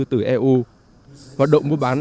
từ eu hoạt động mua bán